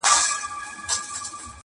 • که کتل یې له کلا خلک راوزي -